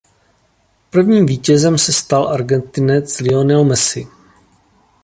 Prvním vítězem se stal Argentinec Lionel Messi.